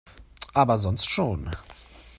Aber sonst schon.